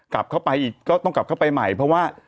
กลับเข้าไปอีกก็ต้องกลับเข้าไปใหม่เพราะว่า